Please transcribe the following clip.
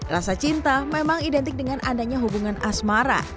rasa cinta memang identik dengan adanya hubungan asmara